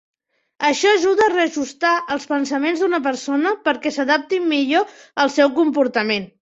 Això ajuda a reajustar els pensaments d'una persona perquè s'adapti millor al seu comportament.